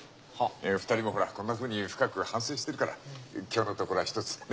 ２人もほらこんなふうに深く反省してるから今日のところはひとつ。ね？